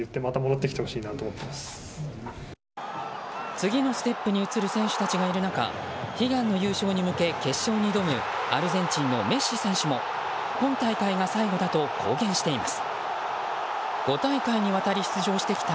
次のステップに移る選手たちがいる中悲願の優勝に向け、決勝に挑むアルゼンチンのメッシ選手も今大会が最後だと公言しています。